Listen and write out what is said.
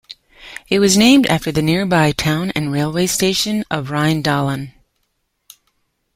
It was named after the nearby town and railway station of Rheindahlen.